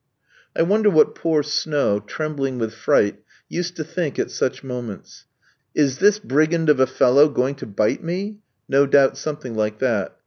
I wonder what poor Snow, trembling with fright, used to think at such moments. "Is this brigand of a fellow going to bite me?" no doubt something like that.